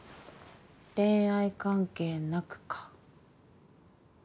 恋愛関係なくか。